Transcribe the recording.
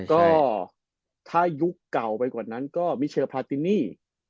ก็ถ้ายุคเก่าไปกว่านั้นก็มิเชลพราตินี่